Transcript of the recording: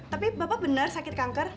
tapi bapak benar sakit kanker